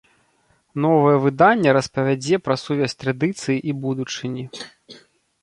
Новае выданне распавядзе пра сувязь традыцыі і будучыні.